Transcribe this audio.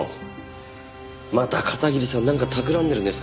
また片桐さんなんか企んでるんですかね？